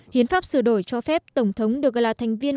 hiến pháp sửa đổi cho phép tổng thống được là thành viên